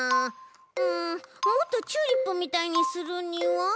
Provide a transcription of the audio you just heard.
うんもっとチューリップみたいにするには？